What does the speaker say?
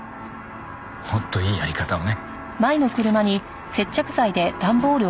もっといいやり方をね。